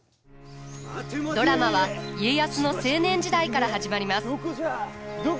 ドラマは家康の青年時代から始まります。